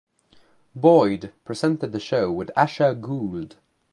Boyd presented the show with Asher Gould.